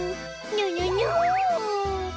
にょにょにょん。